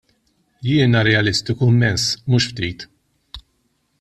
Jiena realistiku immens, mhux ftit.